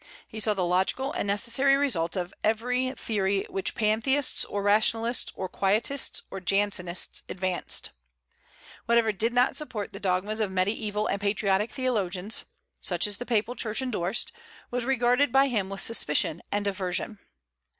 He saw the logical and necessary results of every theory which Pantheists, or Rationalists, or Quietists, or Jansenists advanced. Whatever did not support the dogmas of mediaeval and patriotic theologians, such as the Papal Church indorsed, was regarded by him with suspicion and aversion.